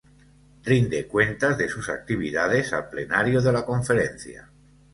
Rinde cuentas de sus actividades al Plenario de la Conferencia.